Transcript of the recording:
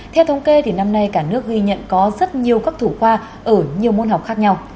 theo thống kê thì năm nay cả nước ghi nhận có rất nhiều các thủ khoa ở nhiều môn học khác nhau